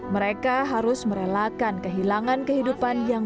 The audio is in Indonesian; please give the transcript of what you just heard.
mereka harus merelakan kehilangan kehidupan yang